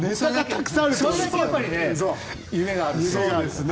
それだけ夢がある。